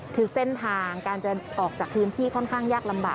คือเส้นทางการจะออกจากพื้นที่ค่อนข้างยากลำบาก